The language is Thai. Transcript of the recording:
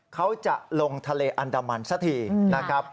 เขาจะลงทะเลอันดามันสักทีนะครับ